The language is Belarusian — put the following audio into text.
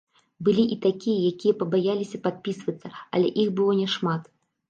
Былі і такія, якія пабаяліся падпісвацца, але іх было няшмат.